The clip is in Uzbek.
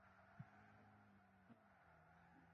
Hozir bo‘lganlarni ham barq urganday bo‘ldi.